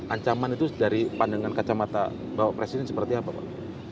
ancaman itu dari pandangan kacamata bapak presiden seperti apa pak